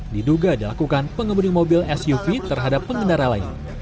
diduga dilakukan pengemudi mobil suv terhadap pengendara lain